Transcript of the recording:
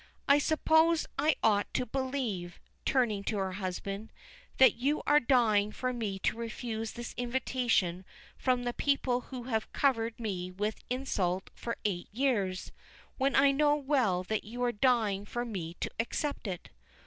"I suppose I ought to believe," turning to her husband, "that you are dying for me to refuse this invitation from the people who have covered me with insult for eight years, when I know well that you are dying for me to accept it."